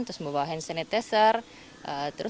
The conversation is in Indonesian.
membawa hand sanitizer